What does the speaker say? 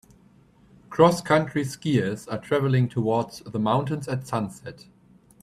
Crosscountry skiers are traveling towards the mountains at sunset.